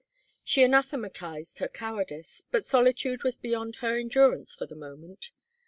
She anathematized her cowardice, but solitude was beyond her endurance for the moment.